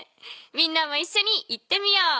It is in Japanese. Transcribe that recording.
みんなもいっしょに言ってみよう。